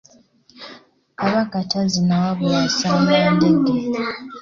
Kabaka tazina wabula asamba ndege.